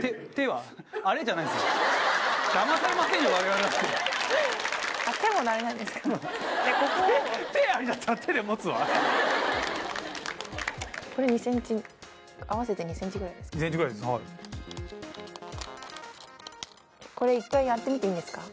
はいこれ一回やってみていいんですか？